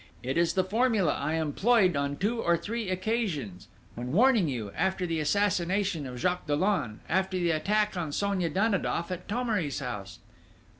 It is the formula I employed on two or three occasions, when warning you, after the assassination of Jacques Dollon, after the attack on Sonia Danidoff at Thomery's house...."